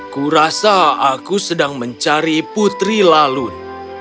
kurasa aku sedang mencari putri lalun